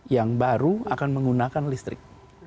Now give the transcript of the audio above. yang baru akan menggunakan listrik